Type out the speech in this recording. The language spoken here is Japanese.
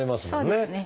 そうですね。